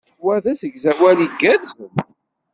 Wa d asegzawal igerrzen.